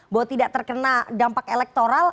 bahwa tidak terkena dampak elektoral